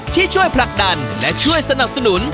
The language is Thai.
ที่ช่วยผลักดันและช่วยสนับสนุน